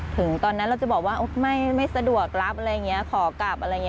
ถึงตอนนั้นเราจะบอกว่าไม่สะดวกรับอะไรอย่างนี้ขอกลับอะไรอย่างนี้